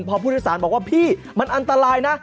พอผู้โดยสารบอกว่าพี่มันอันตรายนะ